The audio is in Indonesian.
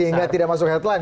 sehingga tidak masuk headline